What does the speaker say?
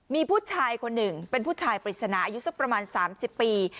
มีผู้ชายคนหนึ่งเป็นผู้ชายปริศนาอายุสักประมาณ๓๐ปี